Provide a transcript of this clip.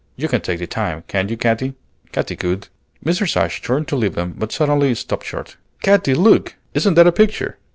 You can take the time, can't you, Katy?" Katy could. Mrs. Ashe turned to leave them, but suddenly stopped short. "Katy, look! Isn't that a picture!"